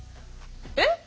えっ！？